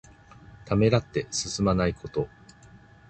ためらって進まないこと。